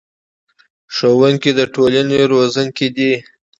ښوونکي د ټولنې روزونکي دي